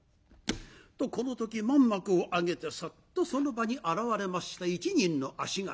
とこの時まん幕を上げてサッとその場に現れました一人の足軽。